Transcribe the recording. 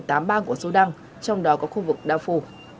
số một mươi tám bang của sudan trong đó có khu vực đa phu